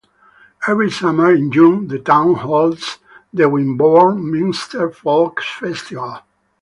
Every summer in June the town holds the Wimborne Minster Folk Festival.